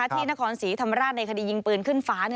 ที่นครศรีธรรมราชในคดียิงปืนขึ้นฟ้า